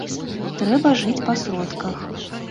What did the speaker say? Трэба жыць па сродках.